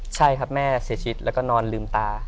ใช่ครับแม่เสียชีวิตแล้วก็นอนลืมตา